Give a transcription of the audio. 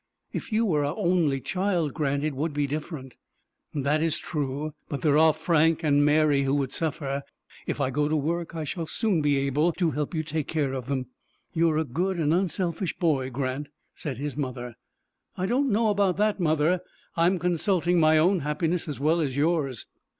"If you were our only child, Grant, it would be different." "That is true; but there are Frank and Mary who would suffer. If I go to work I shall soon be able to help you take care of them." "You are a good and unselfish boy, Grant," said his mother. "I don't know about that, mother; I am consulting my own happiness as well as yours."